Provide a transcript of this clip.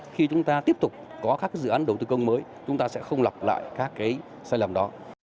khi chúng ta tiếp tục có các dự án đầu tư công mới chúng ta sẽ không lặp lại các cái sai lầm đó